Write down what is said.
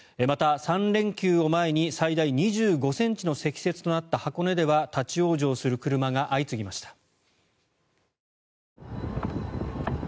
また、３連休を前に最大２５ｃｍの積雪となった箱根では立ち往生する車が相次ぎました。